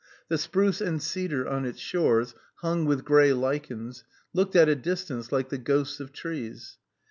The spruce and cedar on its shores, hung with gray lichens, looked at a distance like the ghosts of trees.